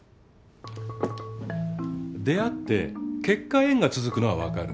出会って結果縁が続くのは分かる。